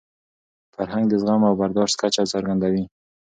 فرهنګ د زغم او برداشت کچه څرګندوي.